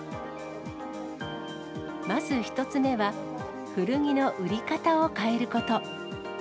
まず１つ目は、古着の売り方を変えること。